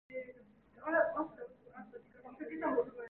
그때 뜻 하지 않은 첫째의 얼굴이 또다시 휙 떠오른다.